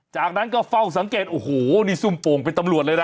จากนั้นก็เฝ้าสังเกตโอ้โหนี่ซุ่มโป่งเป็นตำรวจเลยนะ